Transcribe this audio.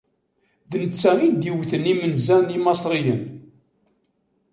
D netta i d-iwten imenza n Imasriyen.